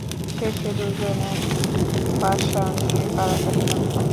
শেষে দুজনে পাশা নিয়ে কাড়াকাড়ি বাধল।